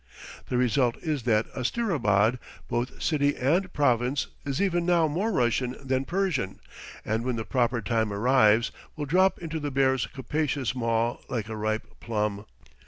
The result is that Asterabad, both city and province, is even now more Russian than Persian, and when the proper time arrives will drop into the bear's capacious maw like a ripe plum.